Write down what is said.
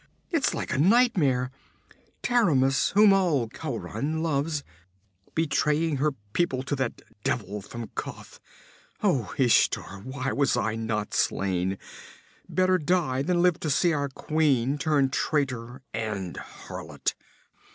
'It's like a nightmare! Taramis, whom all Khauran loves, betraying her people to that devil from Koth! Oh, Ishtar, why was I not slain? Better die than live to see our queen turn traitor and harlot!'